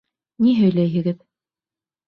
Ни һөйләйһегеҙ?